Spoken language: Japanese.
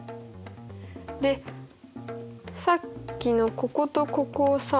でさっきのこことここをさ。